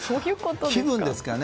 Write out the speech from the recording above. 気分ですかね。